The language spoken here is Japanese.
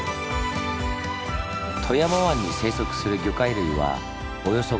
富山湾に生息する魚介類はおよそ５００種類。